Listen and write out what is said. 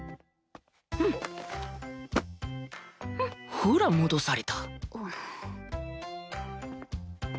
ほら戻された